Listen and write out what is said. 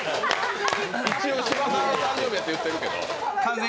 一応、芝さんの誕生日だって言ってますけど。